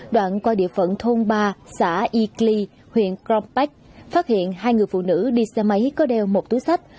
đoạn qua địa phận thôn ba xã y cli huyện cronbark phát hiện hai người phụ nữ đi xe máy có đeo một túi sách